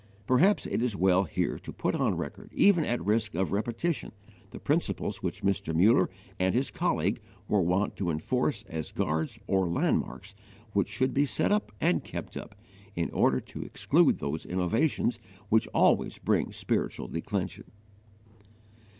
Perhaps it is well here to put on record, even at risk of repetition, the principles which Mr. Muller and his colleague were wont to enforce as guards or landmarks which should be set up and kept up, in order to exclude those innovations which always bring spiritual declension.